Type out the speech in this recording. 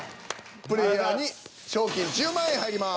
プレイヤーに賞金１０万円入ります。